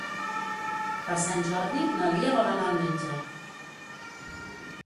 Per Sant Jordi na Lia vol anar al metge.